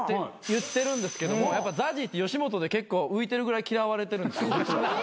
言ってるんですけどやっぱＺＡＺＹって吉本で結構浮いてるぐらい嫌われてるんです実は。